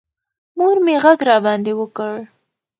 مور مې غږ راباندې وکړ.